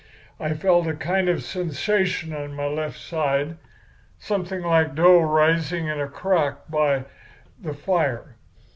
"I felt a kind of sensation in my left side—something like dough rising in a crock by the fire.